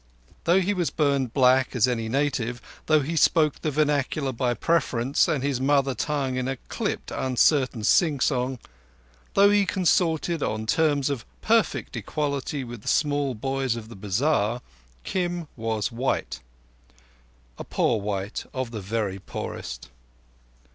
Though he was burned black as any native; though he spoke the vernacular by preference, and his mother tongue in a clipped uncertain sing song; though he consorted on terms of perfect equality with the small boys of the bazar; Kim was white—a poor white of the very poorest.